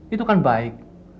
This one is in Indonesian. itu kan baik